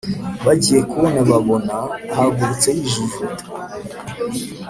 bagiye kubona babona ahagurutse yijujuta